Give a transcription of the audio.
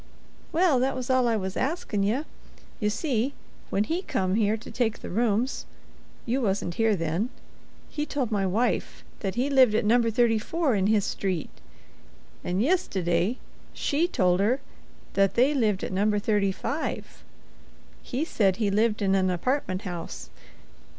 "Well—that was all I wuz askin' ye. Ye see, when he come here to take the rooms—you wasn't here then—he told my wife that he lived at number thirty four in his street. An' yistiddy she told her that they lived at number thirty five. He said he lived in an apartment house.